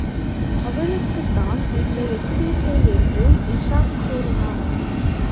அவளுக்குத்தான் இந்த எச்சரிக்கை என்று இஷாக் கூறினான்.